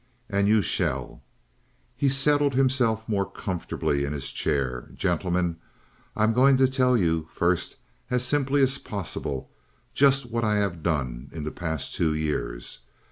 "And you shall." He settled himself more comfortably in his chair. "Gentlemen, I am going to tell you, first, as simply as possible, just what I have done in the past two years.